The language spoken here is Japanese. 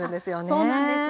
あっそうなんです。